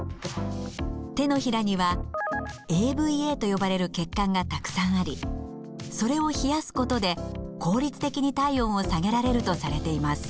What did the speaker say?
手のひらにはＡＶＡと呼ばれる血管がたくさんありそれを冷やすことで効率的に体温を下げられるとされています。